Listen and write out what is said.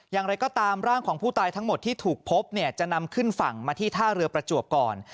อย่างไรก็ตามร่างของผู้ตายทั้งหมดที่ถูกพบเนี่ยจะนำขึ้นฝั่งมาที่ท่าเรือประจวบก่อน